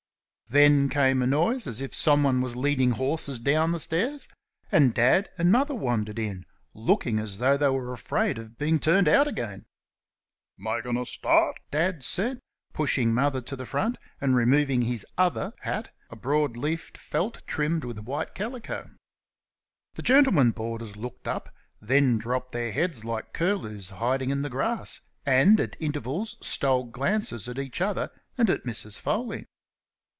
Then came a noise as if someone was leading horses down the stairs, and Dad and Mother wandered in, looking as though they were afraid of being turned out again. "Makin' a start?" Dad said, pushing Mother to the front and removing his "other" hat, a broad leafed felt trimmed with white calico. The gentlemen boarders looked up, then dropped their heads like curlews hiding in the grass, and at intervals stole glances at each other and at Mrs. Foley.